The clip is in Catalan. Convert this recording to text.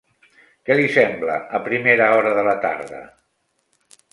Què li sembla a primera hora de la tarda?